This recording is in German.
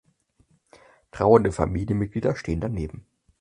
Trauernde Familienmitglieder stehen daneben.